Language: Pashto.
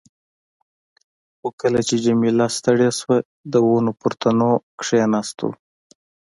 خو کله چې جميله ستړې شوه، د ونو پر تنو کښېناستو.